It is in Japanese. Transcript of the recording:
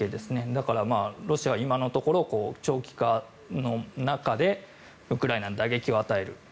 だから、ロシアは今のところ長期化の中でウクライナに打撃を与える。